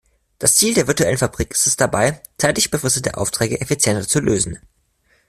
Das Ziel der Virtuellen Fabrik ist es dabei, zeitlich befristete Aufträge effizienter zu lösen.